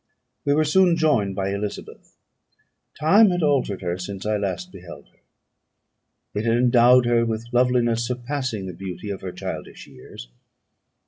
We were soon joined by Elizabeth. Time had altered her since I last beheld her; it had endowed her with loveliness surpassing the beauty of her childish years.